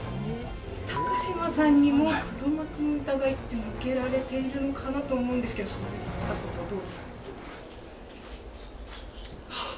高嶋さんにも黒幕の疑いって向けられているのかなと思うんですけど、そのあたりはどうですかね。